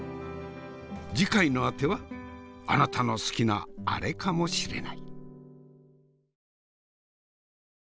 次回のあてはあなたの好きなアレかもしれない。